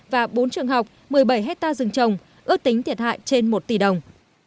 và bốn trường học một mươi bảy hectare rừng trồng ước tính thiệt hại trên một tỷ đồng